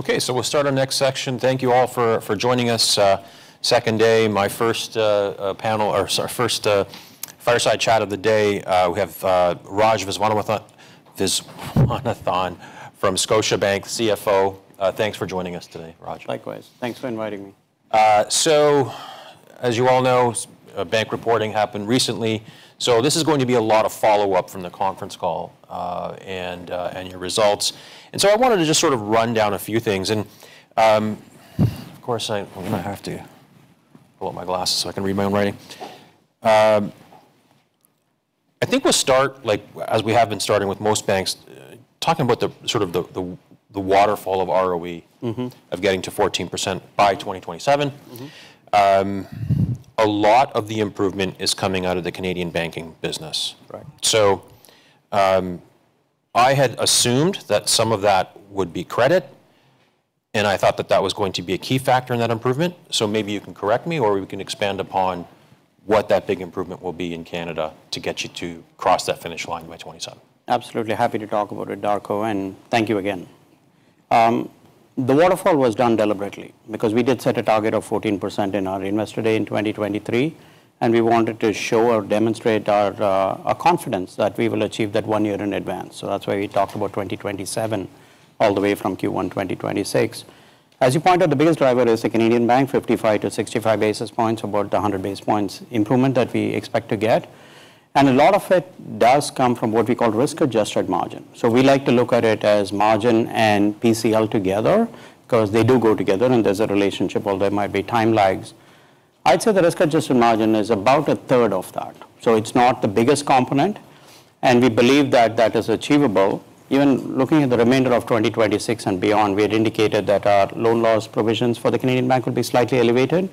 Okay, we'll start our next section. Thank you all for joining us. Second day, my first fireside chat of the day. We have Raj Viswanathan from Scotiabank, CFO. Thanks for joining us today, Raj. Likewise. Thanks for inviting me. As you all know, bank reporting happened recently, so this is going to be a lot of follow-up from the conference call and your results. I wanted to just sort of run down a few things. Of course, I have to put on my glasses so I can read my own writing. I think we'll start like as we have been starting with most banks, talking about the sort of the waterfall of ROE. Mm-hmm of getting to 14% by 2027. Mm-hmm. A lot of the improvement is coming out of the Canadian banking business. Right. I had assumed that some of that would be credit, and I thought that that was going to be a key factor in that improvement. Maybe you can correct me, or we can expand upon what that big improvement will be in Canada to get you to cross that finish line by 2027. Absolutely. Happy to talk about it, Darko, and thank you again. The waterfall was done deliberately because we did set a target of 14% in our Investor Day in 2023, and we wanted to show or demonstrate our confidence that we will achieve that one year in advance. That's why we talked about 2027 all the way from Q1 2026. As you pointed, the biggest driver is the Canadian bank, 55 basis points-65 basis points, about 100 basis points improvement that we expect to get. A lot of it does come from what we call risk-adjusted margin. We like to look at it as margin and PCL together 'cause they do go together and there's a relationship, although there might be time lags. I'd say the risk-adjusted margin is about a third of that. It's not the biggest component, and we believe that that is achievable. Even looking at the remainder of 2026 and beyond, we had indicated that our loan loss provisions for the Canadian bank would be slightly elevated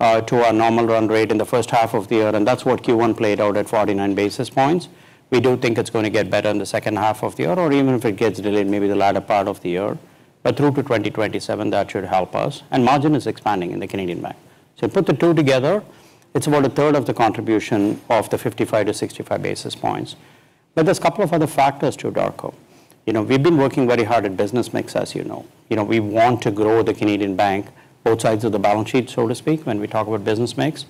to our normal run rate in the first half of the year, and that's what Q1 played out at 49 basis points. We do think it's gonna get better in the H2 of the year, or even if it gets delayed, maybe the latter part of the year. Through to 2027, that should help us. Margin is expanding in the Canadian bank. Put the two together, it's about a third of the contribution of the 55 basis points-65 basis points. There's a couple of other factors too, Darko. You know, we've been working very hard at business mix, as you know. You know, we want to grow the Canadian bank, both sides of the balance sheet, so to speak, when we talk about business mix.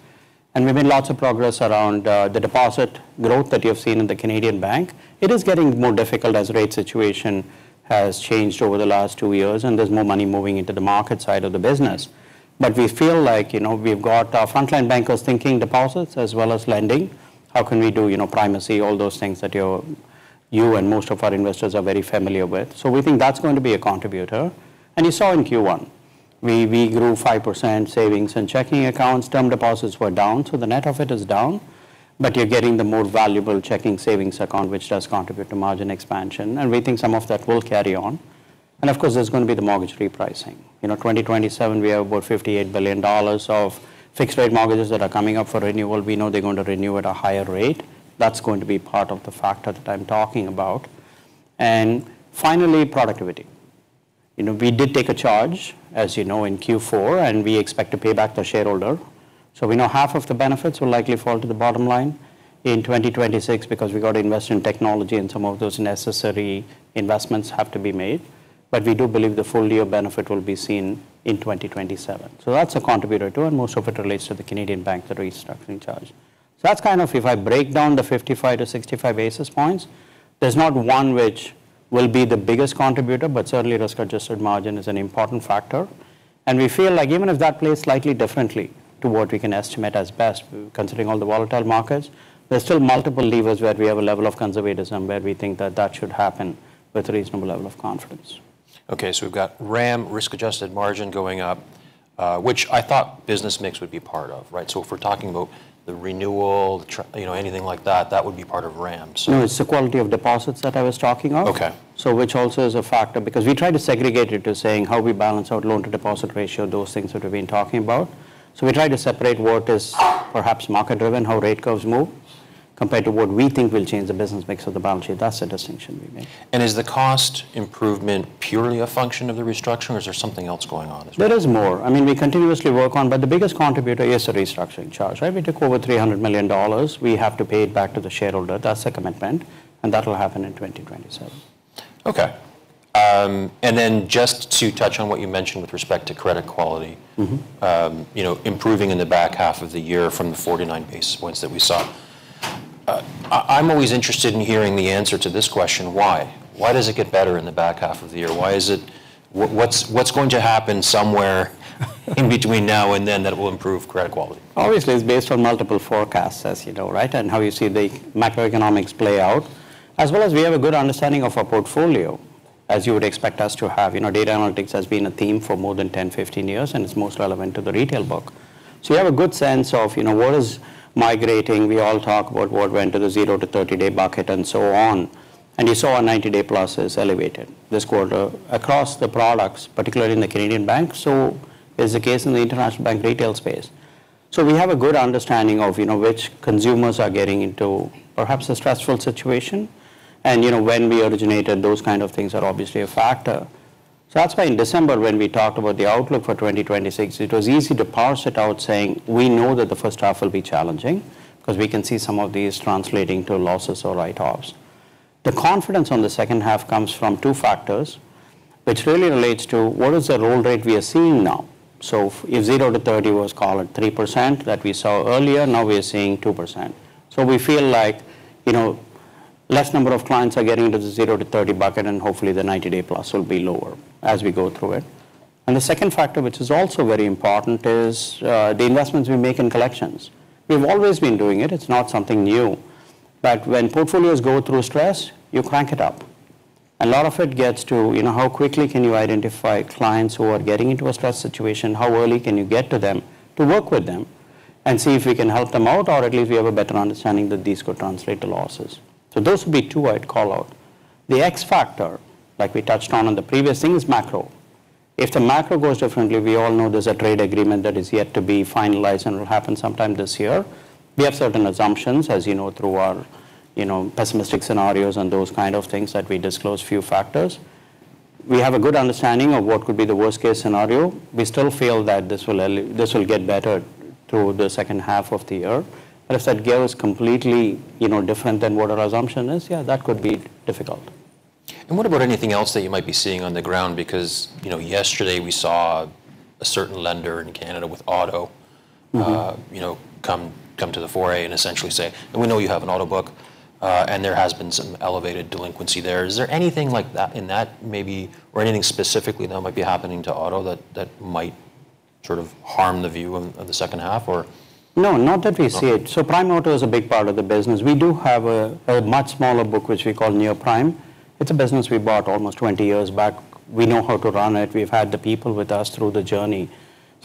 We've made lots of progress around the deposit growth that you have seen in the Canadian bank. It is getting more difficult as rate situation has changed over the last two years, and there's more money moving into the market side of the business. We feel like, you know, we've got our frontline bankers thinking deposits as well as lending. How can we do, you know, primacy, all those things that you and most of our investors are very familiar with. We think that's going to be a contributor. You saw in Q1, we grew 5% savings and checking accounts. Term deposits were down, so the net of it is down. You're getting the more valuable checking savings account, which does contribute to margin expansion, and we think some of that will carry on. Of course, there's gonna be the mortgage repricing. You know, 2027, we have about 58 billion dollars of fixed-rate mortgages that are coming up for renewal. We know they're going to renew at a higher rate. That's going to be part of the factor that I'm talking about. Finally, productivity. You know, we did take a charge, as you know, in Q4, and we expect to pay back the shareholder. So we know 1/2 of the benefits will likely fall to the bottom line in 2026 because we got to invest in technology and some of those necessary investments have to be made. We do believe the full year benefit will be seen in 2027. That's a contributor too, and most of it relates to the Canadian bank, the restructuring charge. That's kind of if I break down the 55 basis points-65 basis points, there's not one which will be the biggest contributor, but certainly risk-adjusted margin is an important factor. We feel like even if that plays slightly differently to what we can estimate as best considering all the volatile markets, there's still multiple levers where we have a level of conservatism where we think that should happen with a reasonable level of confidence. Okay, we've got RAM, risk-adjusted margin, going up, which I thought business mix would be part of, right? If we're talking about the renewal, you know, anything like that would be part of RAM. No, it's the quality of deposits that I was talking of. Okay which also is a factor because we try to segregate it to saying how we balance our loan-to-deposit ratio, those things that we've been talking about. We try to separate what is perhaps market-driven, how rate curves move, compared to what we thinkwill change the business mix of the balance sheet. That's the distinction we make. Is the cost improvement purely a function of the restructuring, or is there something else going on as well? There is more. I mean, we continuously work on, but the biggest contributor is the restructuring charge, right? We took over 300 million dollars. We have to pay it back to the shareholder. That's a commitment, and that will happen in 2027. Okay. Just to touch on what you mentioned with respect to credit quality. Mm-hmm You know, improving in the back 1/2 of the year from the 49 basis points that we saw. I'm always interested in hearing the answer to this question: Why? Why does it get better in the back 1/2 of the year? Why is it? What's going to happen somewhere in between now and then that will improve credit quality? Obviously, it's based on multiple forecasts, as you know, right? How you see the macroeconomics play out, as well as we have a good understanding of our portfolio, as you would expect us to have. You know, data analytics has been a theme for more than 10 years, 15 years, and it's most relevant to the retail book. We have a good sense of, you know, what is migrating. We all talk about what went to the zero day-30-day bucket, and so on. You saw our 90-day+ is elevated this quarter across the products, particularly in the Canadian bank. Is the case in the international bank retail space. We have a good understanding of, you know, which consumers are getting into perhaps a stressful situation and, you know, when we originated, those kind of things are obviously a factor. that's why in December, when we talked about the outlook for 2026, it was easy to parse it out saying, "We know that the H1 will be challenging," 'cause we can see some of these translating to losses or write-offs. The confidence on the H2 comes from two factors, which really relates to what is the roll rate we are seeing now. If zero-30 was call it 3% that we saw earlier, now we are seeing 2%. We feel like, you know, less number of clients are getting into the zero-30 bucket, and hopefully the 90-day+ will be lower as we go through it. The second factor, which is also very important, is the investments we make in collections. We've always been doing it's not something new. When portfolios go through stress, you crank it up. A lot of it gets to, you know, how quickly can you identify clients who are getting into a stress situation? How early can you get to them to work with them and see if we can help them out, or at least we have a better understanding that these could translate to losses. Those would be two I'd call out. The X factor, like we touched on the previous thing, is macro. If the macro goes differently, we all know there's a trade agreement that is yet to be finalized and will happen sometime this year. We have certain assumptions, as you know, through our, you know, pessimistic scenarios and those kind of things that we disclose. Few factors. We have a good understanding of what could be the worst-case scenario. We still feel that this will get better through the H2 of the year. If that gap is completely, you know, different than what our assumption is, yeah, that could be difficult. What about anything else that you might be seeing on the ground? Because, you know, yesterday we saw a certain lender in Canada with auto- Mm-hmm You know, come to the fore and essentially say, "We know you have an auto book, and there has been some elevated delinquency there." Is there anything like that in that maybe, or anything specifically that might be happening to auto that might sort of harm the view of the H2, or? No, not that we see it. Prime Auto is a big part of the business. We do have a much smaller book, which we call Near-prime. It's a business we bought almost 20 years back. We know how to run it. We've had the people with us through the journey.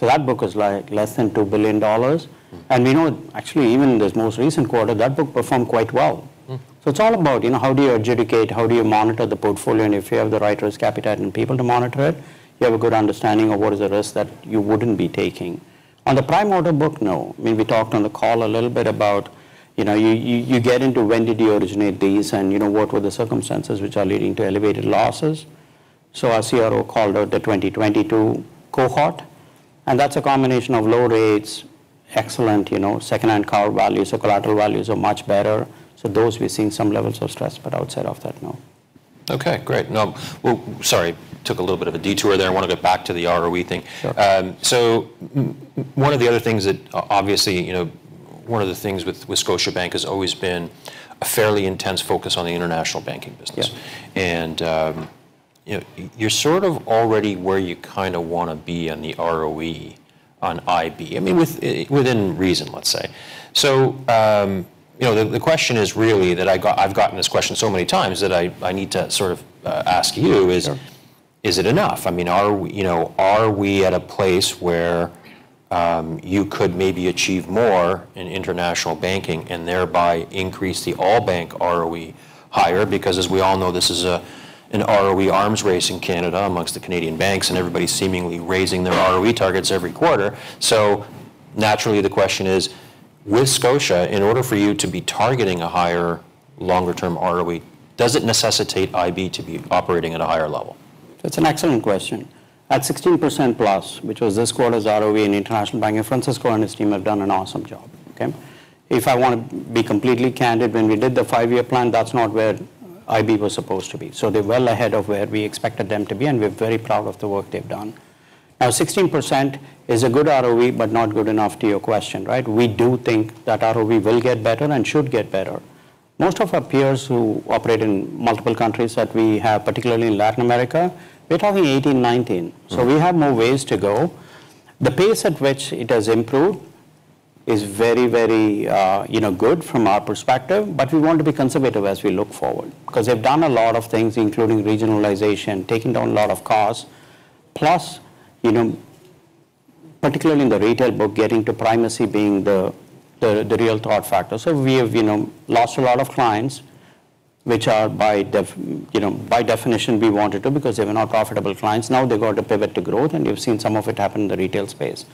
That book is like less than 2 billion dollars. We know actually, even in this most recent quarter, that book performed quite well. Mm. It's all about, you know, how do you adjudicate, how do you monitor the portfolio? If you have the right risk appetite and people to monitor it, you have a good understanding of what is at risk that you wouldn't be taking. On the Prime Auto book, no. I mean, we talked on the call a little bit about, you know, you get into when did you originate these and, you know, what were the circumstances which are leading to elevated losses. Our CRO called out the 2022 cohort, and that's a combination of low rates, excellent, you know, second-hand car values or collateral values are much better. Those we've seen some levels of stress, but outside of that, no. Okay, great. Now, well, sorry, took a little bit of a detour there. I wanted to get back to the ROE thing. Sure. One of the other things that obviously, you know, one of the things with Scotiabank has always been a fairly intense focus on the international banking business. Yeah. You know, you're sort of already where you kind of wanna be on the ROE on IB. I mean, within reason, let's say. You know, the question is really that I've gotten this question so many times that I need to sort of ask you is Sure Is it enough? I mean, are we, you know, are we at a place where you could maybe achieve more in international banking and thereby increase the all bank ROE higher? Because as we all know, this is an ROE arms race in Canada amongst the Canadian banks, and everybody's seemingly raising their ROE targets every quarter. Naturally, the question is, with Scotia, in order for you to be targeting a higher longer-term ROE, does it necessitate IB to be operating at a higher level? That's an excellent question. At 16%+, which was this quarter's ROE in international banking, Francisco and his team have done an awesome job. Okay? If I want to be completely candid, when we did the five-year plan, that's not where IB was supposed to be. They're well ahead of where we expected them to be, and we're very proud of the work they've done. Now, 16% is a good ROE, but not good enough to your question, right? We do think that ROE will get better and should get better. Most of our peers who operate in multiple countries that we have, particularly in Latin America, they're talking 18%, 19%. We have more ways to go. The pace at which it has improved is very, very, you know, good from our perspective, but we want to be conservative as we look forward. 'Cause they've done a lot of things, including regionalization, taking down a lot of costs. Plus, you know, particularly in the retail book, getting to primacy being the real thought factor. We have, you know, lost a lot of clients, which are, you know, by definition, we wanted to because they were not profitable clients. Now they've got to pivot to growth, and you've seen some of it happen in the retail space.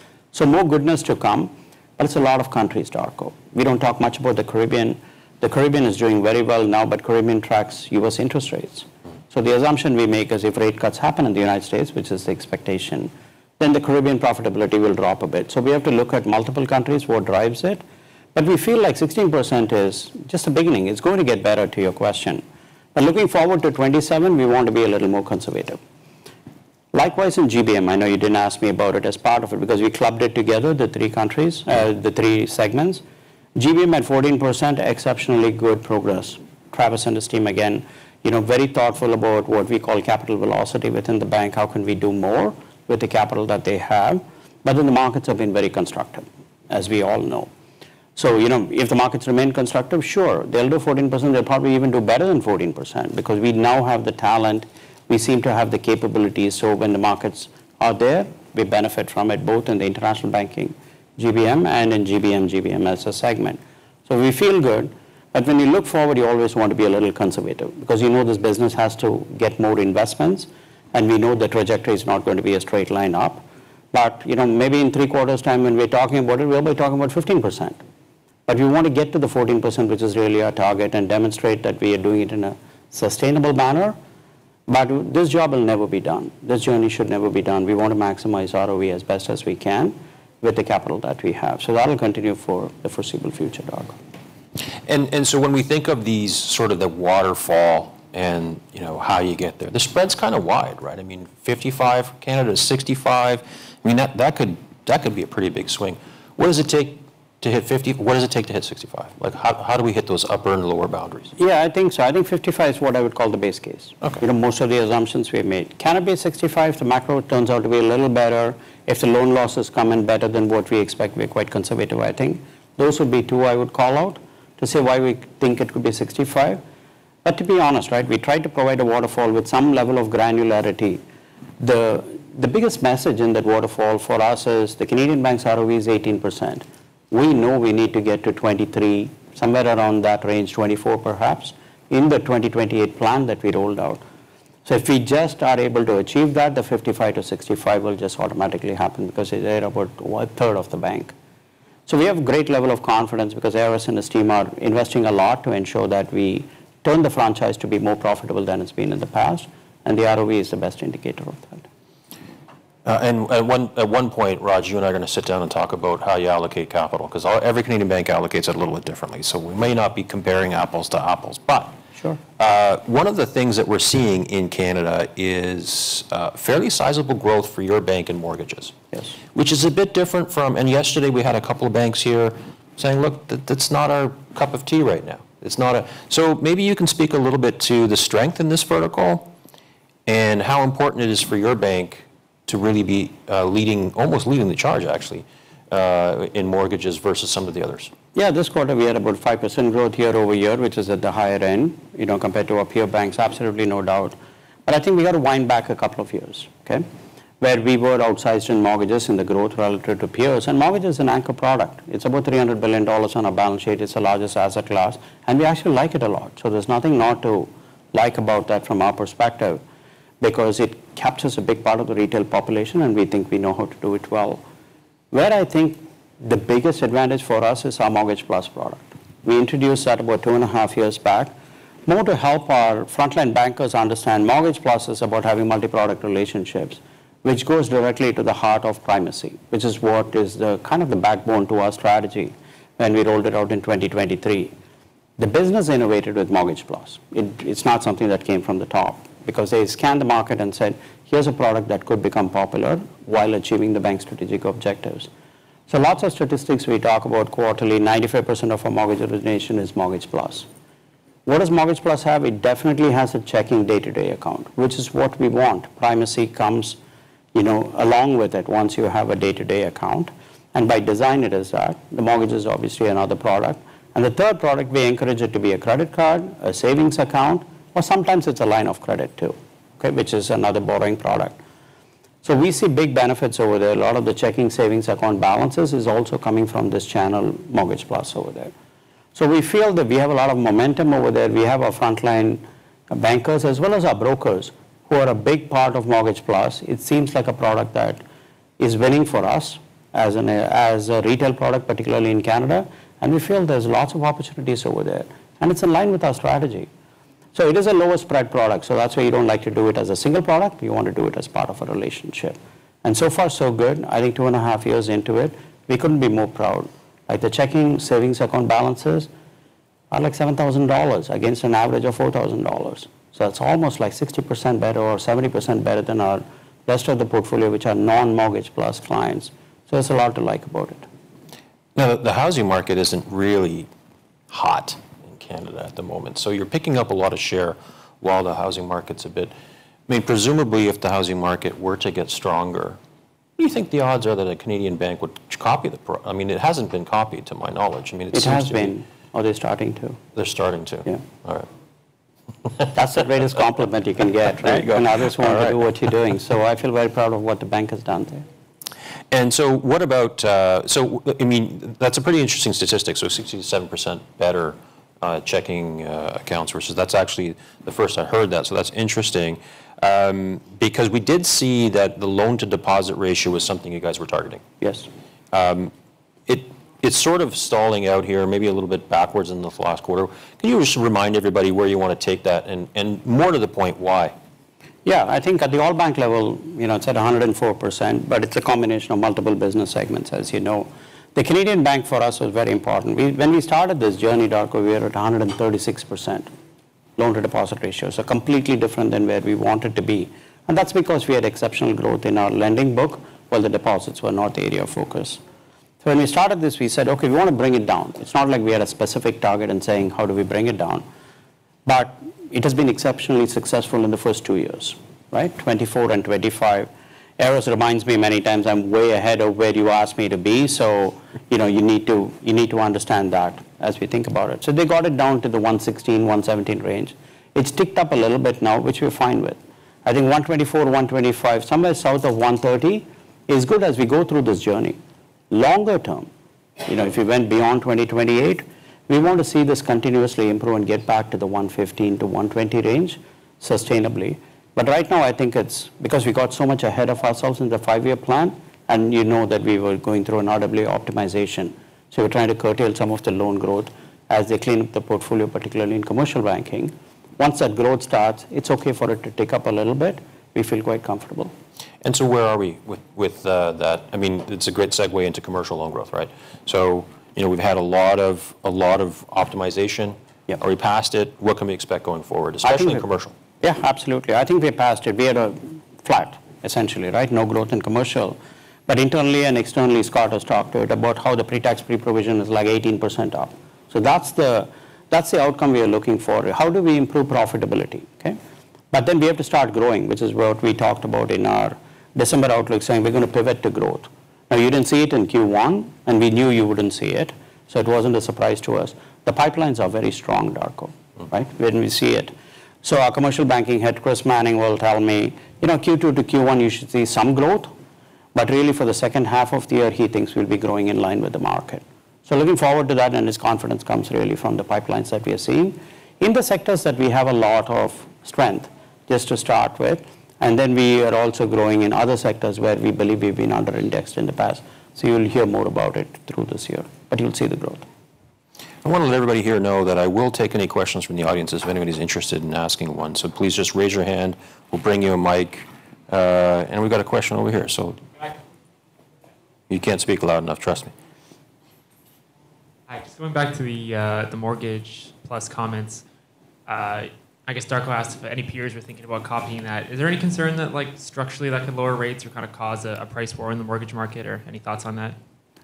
More goodness to come, but it's a lot of countries to our core. We don't talk much about the Caribbean. The Caribbean is doing very well now, but Caribbean tracks U.S. interest rates. The assumption we make is if rate cuts happen in the United States, which is the expectation, then the Caribbean profitability will drop a bit. We have to look at multiple countries, what drives it. We feel like 16% is just a beginning. It's going to get better to your question. Looking forward to 2027, we want to be a little more conservative. Likewise in GBM, I know you didn't ask me about it as part of it because we clubbed it together, the three countries, the three segments. GBM at 14%, exceptionally good progress. Travis and his team, again, you know, very thoughtful about what we call capital velocity within the bank. How can we do more with the capital that they have? The markets have been very constructive, as we all know. You know, if the markets remain constructive, sure, they'll do 14%. They'll probably even do better than 14% because we now have the talent. We seem to have the capabilities, so when the markets are there, we benefit from it, both in the international banking, GBM, and in GBM as a segment. We feel good, but when you look forward, you always want to be a little conservative because you know this business has to get more investments, and we know the trajectory is not going to be a straight line up. You know, maybe in three quarters' time when we're talking about it, we'll be talking about 15%. We want to get to the 14%, which is really our target, and demonstrate that we are doing it in a sustainable manner. This job will never be done. This journey should never be done. We want to maximize ROE as best as we can with the capital that we have. That'll continue for the foreseeable future, Darko. When we think of these sort of the waterfall and, you know, how you get there, the spread's kind of wide, right? I mean, 55 Canada, 65. I mean, that could be a pretty big swing. What does it take to hit 50? What does it take to hit 65? Like how do we hit those upper and lower boundaries? Yeah, I think so. I think 55 is what I would call the base case. Okay. You know, most of the assumptions we have made. Can it be 65 if the macro turns out to be a little better, if the loan losses come in better than what we expect, we're quite conservative, I think. Those would be two I would call out to say why we think it could be 65. To be honest, right, we try to provide a waterfall with some level of granularity. The biggest message in that waterfall for us is the Canadian banks ROE is 18%. We know we need to get to 23%, somewhere around that range, 24% perhaps, in the 2028 plan that we rolled out. If we just are able to achieve that, the 55%-65% will just automatically happen because they're about 1/3 of the bank. We have great level of confidence because Aris and his team are investing a lot to ensure that we turn the franchise to be more profitable than it's been in the past, and the ROE is the best indicator of that. At one point, Raj, you and I are gonna sit down and talk about how you allocate capital, 'cause every Canadian bank allocates it a little bit differently. We may not be comparing apples to apples, but- Sure One of the things that we're seeing in Canada is fairly sizable growth for your bank and mortgages. Yes. Which is a bit different from. Yesterday we had a couple of banks here saying, "Look, that's not our cup of tea right now. It's not a." Maybe you can speak a little bit to the strength in this vertical and how important it is for your bank to really be leading, almost leading the charge actually in mortgages versus some of the others. Yeah, this quarter we had about 5% growth year-over-year, which is at the higher end, you know, compared to our peer banks, absolutely no doubt. I think we got to wind back a couple of years, okay? Where we were outsized in mortgages and the growth relative to peers, and mortgage is an anchor product. It's about 300 billion dollars on our balance sheet. It's the largest asset class, and we actually like it a lot. So there's nothing not to like about that from our perspective because it captures a big part of the retail population, and we think we know how to do it well. Where I think the biggest advantage for us is our Mortgage Plus product. We introduced that about two and a half years back, more to help our frontline bankers understand Mortgage Plus is about having multi-product relationships, which goes directly to the heart of primacy, which is what is the kind of the backbone to our strategy when we rolled it out in 2023. The business innovated with Mortgage Plus. It, it's not something that came from the top because they scanned the market and said, "Here's a product that could become popular while achieving the bank's strategic objectives." Lots of statistics we talk about quarterly, 95% of our mortgage origination is Mortgage Plus. What does Mortgage Plus have? It definitely has a checking day-to-day account, which is what we want. Primacy comes, you know, along with it once you have a day-to-day account, and by design it is that. The mortgage is obviously another product. The third product, we encourage it to be a credit card, a savings account, or sometimes it's a line of credit too, okay, which is another borrowing product. We see big benefits over there. A lot of the checking savings account balances is also coming from this channel Mortgage Plus over there. We feel that we have a lot of momentum over there. We have our frontline bankers as well as our brokers who are a big part of Mortgage Plus. It seems like a product that is winning for us as a retail product, particularly in Canada, and we feel there's lots of opportunities over there. It's in line with our strategy. It is a lower spread product, so that's why you don't like to do it as a single product. You want to do it as part of a relationship. So far so good. I think two and a half years into it, we couldn't be more proud. Like, the checking savings account balances are like 7,000 dollars against an average of 4,000 dollars. That's almost like 60% better or 70% better than our rest of the portfolio, which are non-Mortgage Plus clients. There's a lot to like about it. Now, the housing market isn't really hot in Canada at the moment. You're picking up a lot of share while the housing market's a bit, I mean, presumably, if the housing market were to get stronger, what do you think the odds are that a Canadian bank would copy the program? I mean, it hasn't been copied to my knowledge. I mean, it seems to be It has been. They're starting to. They're starting to. Yeah. All right. That's the greatest compliment you can get, right? There you go. All right. When others want to do what you're doing. I feel very proud of what the bank has done there. What about? I mean, that's a pretty interesting statistic. 67% better checking accounts versus. That's actually the first I heard that, so that's interesting. Because we did see that the loan-to-deposit ratio was something you guys were targeting. Yes. It's sort of stalling out here, maybe a little bit backwards in the last quarter. Can you just remind everybody where you wanna take that and more to the point, why? Yeah. I think at the all bank level, you know, it's at 104%, but it's a combination of multiple business segments, as you know. The Canadian bank for us was very important. When we started this journey, Darko, we were at 136% loan-to-deposit ratio, so completely different than where we wanted to be. That's because we had exceptional growth in our lending book, while the deposits were not the area of focus. When we started this, we said, "Okay, we wanna bring it down." It's not like we had a specific target and saying, "How do we bring it down?" It has been exceptionally successful in the first two years, right? 2024 and 2025. Aris reminds me many times, "I'm way ahead of where you asked me to be," so, you know, you need to understand that as we think about it. They got it down to the 116%-117% range. It's ticked up a little bit now, which we're fine with. I think 124%-125%, somewhere south of 130% is good as we go through this journey. Longer term, you know, if you went beyond 2028, we want to see this continuously improve and get back to the 115%-120% range sustainably. Right now, I think it's because we got so much ahead of ourselves in the five-year plan, and you know that we were going through an RWA optimization. We're trying to curtail some of the loan growth as they clean up the portfolio, particularly in commercial banking. Once that growth starts, it's okay for it to tick up a little bit. We feel quite comfortable. Where are we with that? I mean, it's a great segue into commercial loan growth, right? You know, we've had a lot of optimization. Yeah. Are we past it? What can we expect going forward. I think- especially in commercial? Yeah, absolutely. I think we're past it. We had a flat, essentially, right? No growth in commercial. Internally and externally, Scott has talked about how the pre-tax pre-provision is like 18% up. That's the outcome we are looking for. How do we improve profitability? Okay? We have to start growing, which is what we talked about in our December outlook saying we're gonna pivot to growth. Now, you didn't see it in Q1, and we knew you wouldn't see it, so it wasn't a surprise to us. The pipelines are very strong, Darko, right? When we see it. Our commercial banking head, Chris Manning, will tell me, you know, Q2-Q1, you should see some growth. Really for the H2 of the year, he thinks we'll be growing in line with the market. Looking forward to that, and his confidence comes really from the pipelines that we are seeing in the sectors that we have a lot of strength, just to start with. Then we are also growing in other sectors where we believe we've been under-indexed in the past. You'll hear more about it through this year, but you'll see the growth. I wanna let everybody here know that I will take any questions from the audience if anybody's interested in asking one. Please just raise your hand. We'll bring you a mic. We've got a question over here. Hi. You can't speak loud enough, trust me. Hi. Just going back to the Mortgage Plus comments. I guess Darko asked if any peers were thinking about copying that. Is there any concern that, like, structurally that could lower rates or kind of cause a price war in the mortgage market, or any thoughts on that?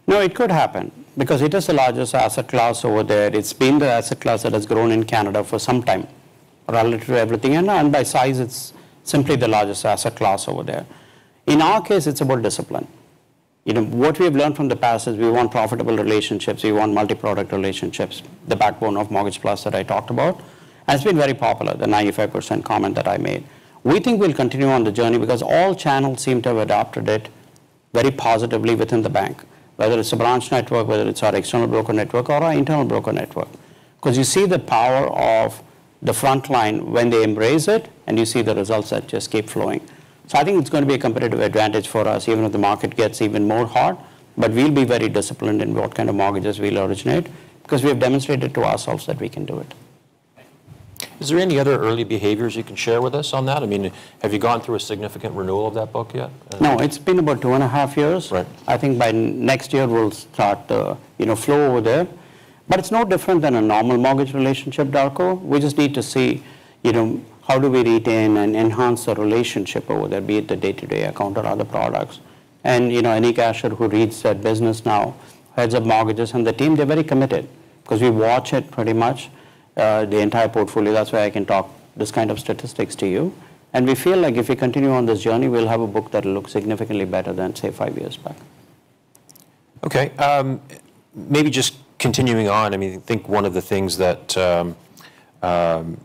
No, it could happen because it is the largest asset class over there. It's been the asset class that has grown in Canada for some time relative to everything. By size, it's simply the largest asset class over there. In our case, it's about discipline. You know, what we have learned from the past is we want profitable relationships. We want multi-product relationships. The backbone of Mortgage Plus that I talked about has been very popular, the 95% comment that I made. We think we'll continue on the journey because all channels seem to have adopted it very positively within the bank, whether it's a branch network, whether it's our external broker network or our internal broker network. 'Cause you see the power of the front line when they embrace it, and you see the results that just keep flowing. I think it's gonna be a competitive advantage for us even if the market gets even more harder, but we'll be very disciplined in what kind of mortgages we'll originate 'cause we have demonstrated to ourselves that we can do it. Thank you. Is there any other early behaviors you can share with us on that? I mean, have you gone through a significant renewal of that book yet? No, it's been about two and a half years. Right. I think by next year we'll start to, you know, flow over there. It's no different than a normal mortgage relationship, Darko. We just need to see, you know, how do we retain and enhance the relationship over there, be it the day-to-day account or other products. You know, Anique Asher who reads that business now, heads of mortgages and the team, they're very committed 'cause we watch it pretty much the entire portfolio. That's why I can talk this kind of statistics to you. We feel like if we continue on this journey, we'll have a book that'll look significantly better than, say, five years back. Okay, maybe just continuing on. I mean, think one of the things that, you know,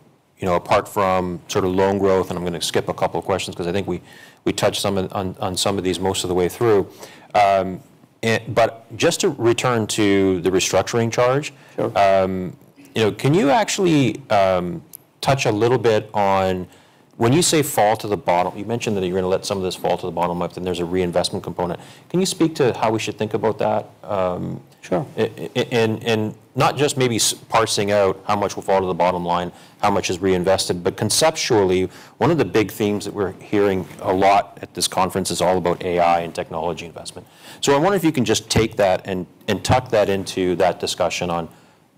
apart from sort of loan growth, and I'm gonna skip a couple questions 'cause I think we touched some on some of these most of the way through. Just to return to the restructuring charge. Sure. you know, can you actually touch a little bit on when you say fall to the bottom, you mentioned that you're gonna let some of this fall to the bottom up, then there's a reinvestment component. Can you speak to how we should think about that? Sure not just maybe parsing out how much will fall to the bottom line, how much is reinvested. Conceptually, one of the big themes that we're hearing a lot at this conference is all about AI and technology investment. I wonder if you can just take that and tuck that into that discussion on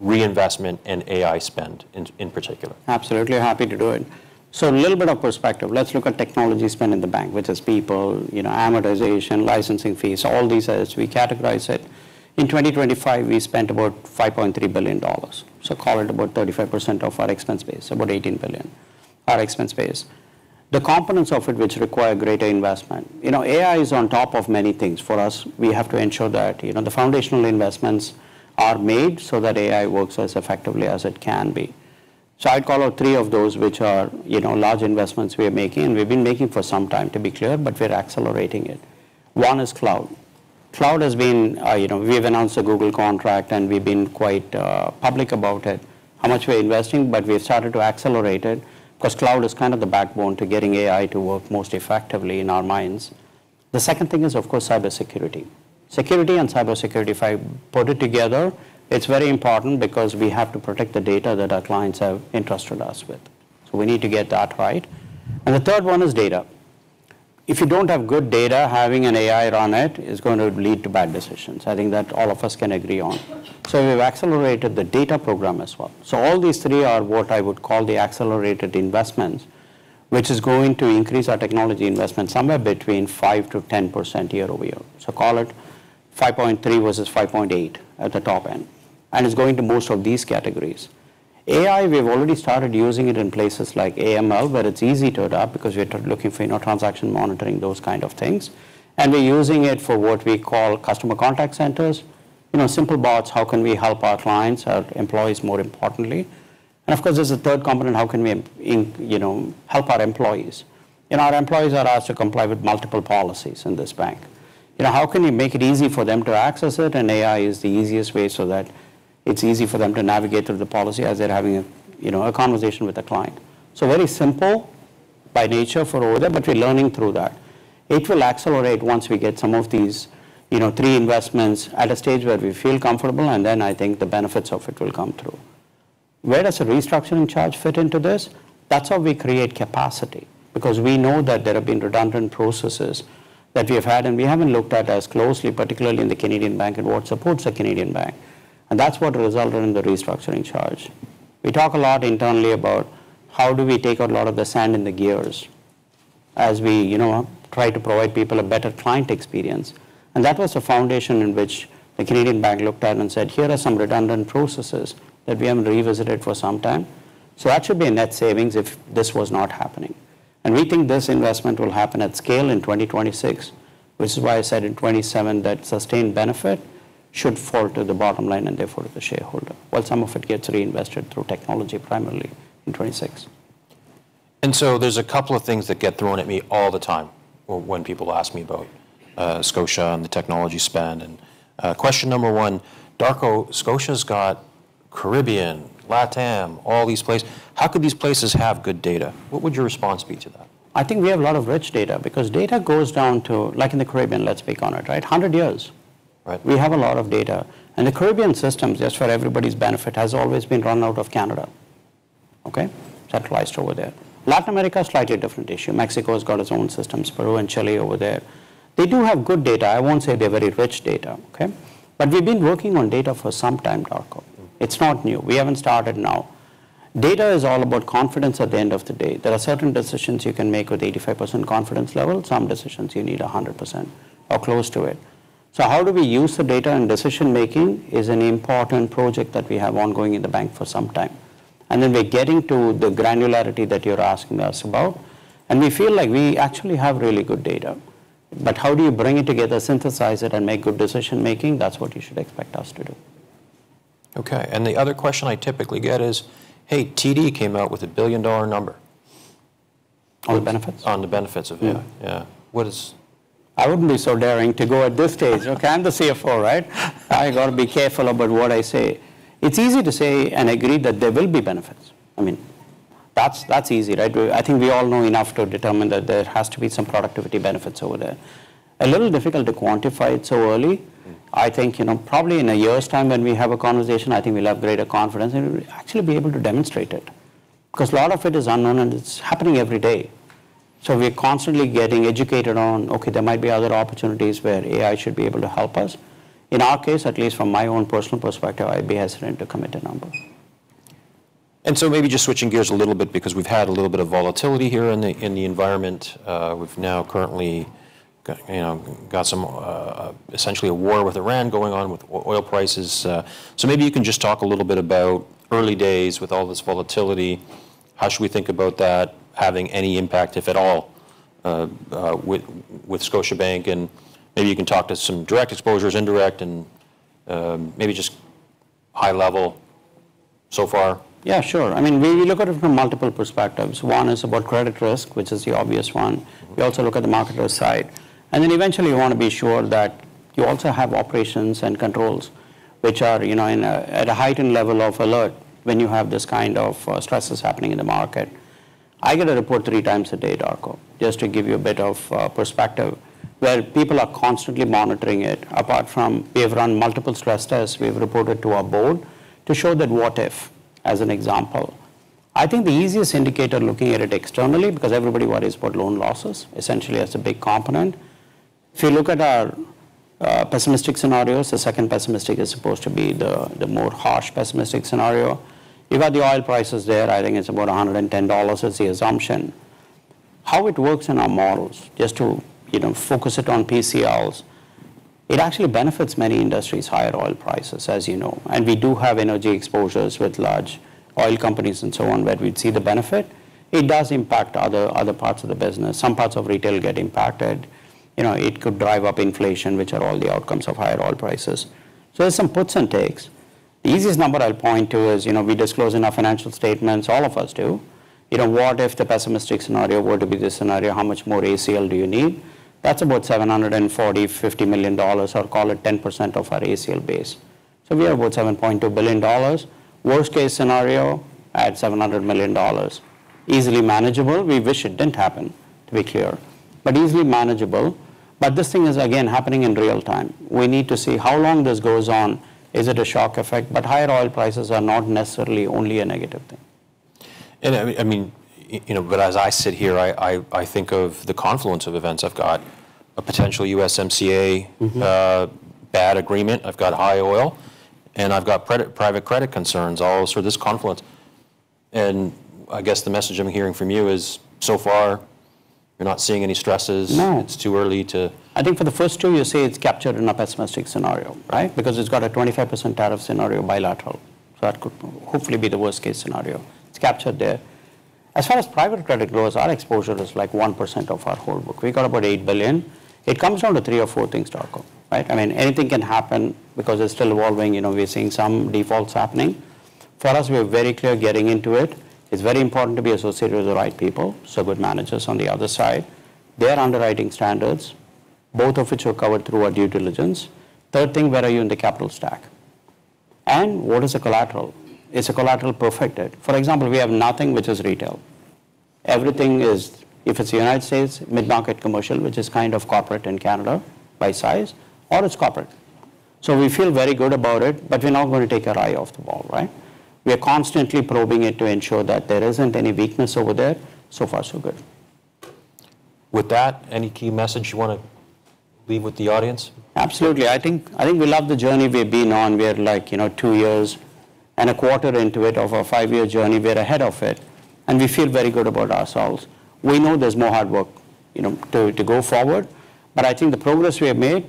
reinvestment and AI spend in particular. Absolutely. Happy to do it. Little bit of perspective. Let's look at technology spend in the bank, which is people, you know, amortization, licensing fees, all these as we categorize it. In 2025, we spent about 5.3 billion dollars. Call it about 35% of our expense base, 18 billion, our expense base. The components of it which require greater investment. You know, AI is on top of many things for us. We have to ensure that, you know, the foundational investments are made so that AI works as effectively as it can be. I'd call out three of those, which are, you know, large investments we are making, and we've been making for some time to be clear, but we're accelarating it. One is cloud. Cloud has been, you know, we have announced a Google contract, and we've been quite public about it, how much we're investing. We've started to accelerate it 'cause cloud is kind of the backbone to getting AI to work most effectively in our minds. The second thing is, of course, cybersecurity. Security and cybersecurity, if I put it together, it's very important because we have to protect the data that our clients have entrusted us with. We need to get that right. The third one is data. If you don't have good data, having an AI run it is going to lead to bad decisions. I think that all of us can agree on. We've accelerated the data program as well. All these three are what I would call the accelerated investments, which is going to increase our technology investment somewhere between 5%-10% year-over-year. Call it 5.3 versus 5.8 at the top end. It's going to most of these categories. AI, we have already started using it in places like AML, where it's easy to adapt because we're looking for, you know, transaction monitoring, those kind of things. We're using it for what we call customer contact centers. You know, simple bots, how can we help our clients, our employees more importantly. Of course, there's a third component, how can we, you know, help our employees. You know, our employees are asked to comply with multiple policies in this bank. You know, how can we make it easy for them to access it? AI is the easiest way so that it's easy for them to navigate through the policy as they're having, you know, a conversation with a client. Very simple by nature over there, but we're learning through that. It will accelerate once we get some of these, you know, three investments at a stage where we feel comfortable, and then I think the benefits of it will come through. Where does the restructuring charge fit into this? That's how we create capacity, because we know that there have been redundant processes that we have had and we haven't looked at as closely, particularly in the Canadian bank and what supports the Canadian bank, and that's what resulted in the restructuring charge. We talk a lot internally about how do we take a lot of the sand in the gears as we, you know, try to provide people a better client experience, and that was the foundation in which the Canadian bank looked at and said, "Here are some redundant processes that we haven't revisited for some time." That should be a net savings if this was not happening. We think this investment will happen at scale in 2026, which is why I said in 2027 that sustained benefit should fall to the bottom line and therefore to the shareholder, while some of it gets reinvested through technology primarily in 2026. There's a couple of things that get thrown at me all the time when people ask me about Scotiabank and the technology spend. Question number one: Darko Mihelic, Scotiabank's got Caribbean, LatAm, all these places. How could these places have good data? What would your response be to that? I think we have a lot of rich data because data goes down to, like in the Caribbean, let's pick on it, right? 100 years. Right. We have a lot of data. The Caribbean systems, just for everybody's benefit, has always been run out of Canada. Okay? Centralized over there. Latin America, slightly different issue. Mexico's got its own systems. Peru and Chile over there. They do have good data. I won't say they're very rich data, okay? We've been working on data for some time, Darko. It's not new. We haven't started now. Data is all about confidence at the end of the day. There are certain decisions you can make with 85% confidence level. Some decisions you need 100% or close to it. How do we use the data in decision-making is an important project that we have ongoing in the bank for some time. Then we're getting to the granularity that you're asking us about, and we feel like we actually have really good data. How do you bring it together, synthesize it, and make good decision-making? That's what you should expect us to do. Okay. The other question I typically get is, "Hey, TD came out with a billion-dollar number. On the benefits? On the benefits of AI. Yeah. Yeah. What is? I wouldn't be so daring to go at this stage. Okay, I'm the CFO, right? I gotta be careful about what I say. It's easy to say and agree that there will be benefits. I mean, that's easy, right? I think we all know enough to determine that there has to be some productivity benefits over there. A little difficult to quantify it so early. Mm. I think, you know, probably in a year's time when we have a conversation, I think we'll have greater confidence and we'll actually be able to demonstrate it. 'Cause a lot of it is unknown, and it's happening every day. We're constantly getting educated on, okay, there might be other opportunities where AI should be able to help us. In our case, at least from my own personal perspective, I'd be hesitant to commit a number. Maybe just switching gears a little bit because we've had a little bit of volatility here in the environment. We've now currently got you know some essentially a war with Iran going on with oil prices. Maybe you can just talk a little bit about early days with all this volatility. How should we think about that having any impact, if at all, with Scotiabank? Maybe you can talk to some direct exposures, indirect, and maybe just high level so far. Yeah, sure. I mean, we look at it from multiple perspectives. One is about credit risk, which is the obvious one. We also look at the marketplace side. Eventually you wanna be sure that you also have operations and controls, which are, you know, at a heightened level of alert when you have this kind of stresses happening in the market. I get a report three times a day, Darko, just to give you a bit of perspective, where people are constantly monitoring it. Apart from we have run multiple stress tests we've reported to our board to show that what if, as an example. I think the easiest indicator looking at it externally, because everybody worries about loan losses essentially as a big component. If you look at our pessimistic scenarios, the second pessimistic is supposed to be the more harsh pessimistic scenario. You've got the oil prices there. I think it's about $110 is the assumption. How it works in our models, just to, you know, focus it on PCLs, it actually benefits many industries, higher oil prices, as you know, and we do have energy exposures with large oil companies and so on where we'd see the benefit. It does impact other parts of the business. Some parts of retail get impacted. You know, it could drive up inflation, which are all the outcomes of higher oil prices. So there's some puts and takes. The easiest number I'll point to is, you know, we disclose in our financial statements, all of us do. You know, what if the pessimistic scenario were to be the scenario? How much more ACL do you need? That's about 745 million dollars, or call it 10% of our ACL base. We are about 7.2 billion dollars. Worst case scenario, add 700 million dollars. Easily manageable. We wish it didn't happen, to be clear, but easily manageable. This thing is, again, happening in real time. We need to see how long this goes on. Is it a shock effect? Higher oil prices are not necessarily only a negative thing. I mean, you know, but as I sit here, I think of the confluence of events. I've got a potential USMCA- Mm-hmm bad agreement. I've got high oil, and I've got credit, private credit concerns, all sort of this confluence. I guess the message I'm hearing from you is, so far you're not seeing any stresses. No. It's too early to- I think for the first two, you say it's captured in a pessimistic scenario, right? Because it's got a 25% tariff scenario bilateral. That could hopefully be the worst case scenario. It's captured there. As far as private credit goes, our exposure is like 1% of our whole book. We've got about 8 billion. It comes down to three or four things, Darko, right? I mean, anything can happen because it's still evolving. You know, we're seeing some defaults happening. For us, we are very clear getting into it. It's very important to be associated with the right people, so good managers on the other side. Their underwriting standards, both of which are covered through our due diligence. Third thing, where are you in the capital stack? And what is the collateral? Is the collateral perfected? For example, we have nothing which is retail. Everything is, if it's United States, mid-market commercial, which is kind of corporate in Canada by size, or it's corporate. We feel very good about it, but we're not going to take our eye off the ball, right? We are constantly probing it to ensure that there isn't any weakness over there. So far so good. With that, any key message you wanna leave with the audience? Absolutely. I think we love the journey we've been on. We're like, you know, two years and a quarter into it of our five-year journey. We're ahead of it, and we feel very good about ourselves. We know there's more hard work, you know, to go forward, but I think the progress we have made,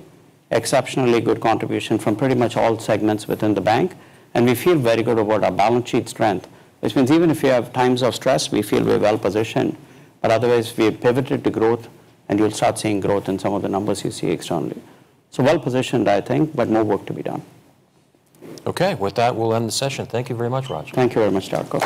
exceptionally good contribution from pretty much all segments within the bank, and we feel very good about our balance sheet strength, which means even if we have times of stress, we feel we're well-positioned. But otherwise, we have pivoted to growth, and you'll start seeing growth in some of the numbers you see externally. Well-positioned, I think, but more work to be done. Okay. With that, we'll end the session. Thank you very much, Raj Viswanathan. Thank you very much, Darko.